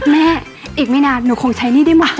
แม่อีกไม่นานหนูคงใช้หนี้ได้มั้